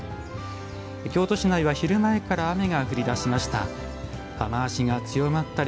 京都市内は昼前から雨が降りだしました。